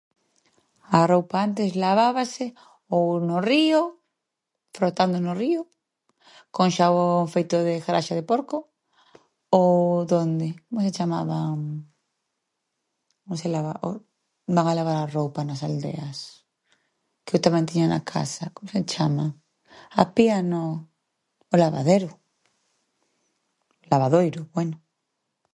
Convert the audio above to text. A roupa antes lavábase ou no río, frotando no río, con xabón feito de ghraxa de porco ou donde? Como se chamaban? Onde se labava- o van a lavar a roupa nas aldeas? Que eu tamén tiña na casa, como se chama? A pía non. O lavadero, lavadoiro, bueno.